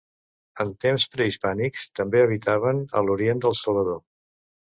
En temps prehispànics també habitaven a l'orient del Salvador.